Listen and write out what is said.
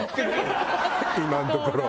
今のところ。